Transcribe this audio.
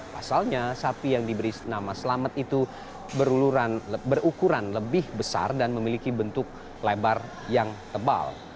pasalnya sapi yang diberi nama selamet itu berukuran lebih besar dan memiliki bentuk lebar yang tebal